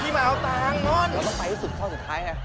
พี่มาเอาตังค์นอนแล้วก็ไปให้สุดเท่าสุดท้ายฮะ